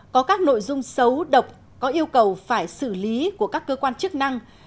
có các nội dung xấu độc có yêu cầu phải xử lý của các cơ quan chức năng